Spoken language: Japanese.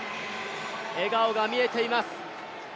笑顔が見えています。